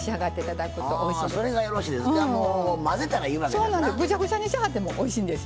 そうなんです